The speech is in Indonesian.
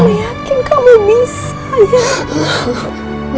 aku yakin kamu bisa ayah